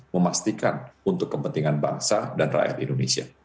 memastikan untuk kepentingan bangsa dan rakyat indonesia